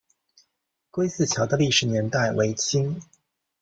归驷桥的历史年代为清。